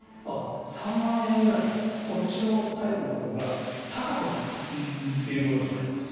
３万円ぐらいこっちのタイプのほうが高くなるんだということになります。